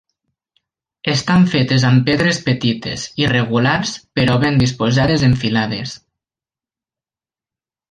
Estan fetes amb pedres petites, irregulars, però ben disposades en filades.